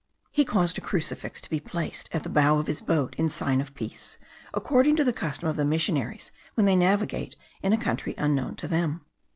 He caused a crucifix to be placed at the bow of his boat in sign of peace, according to the custom of the missionaries when they navigate in a country unknown to them.